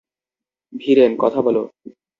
ভিরেন, কথা বল।